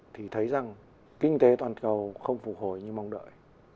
thì thấy rằng kinh tế toàn cầu không phục hồi như mong đợi